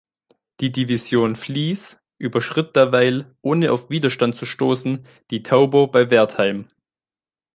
Die Division Flies überschritt derweil ohne auf Widerstand zu stoßen die Tauber bei Wertheim.